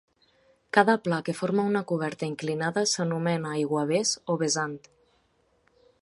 Cada pla que forma una coberta inclinada s'anomena aiguavés o vessant.